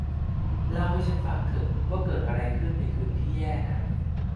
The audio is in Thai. เล่าให้ฉันฟังเถอะว่าเกิดอะไรขึ้นในคืนที่แย่นั้น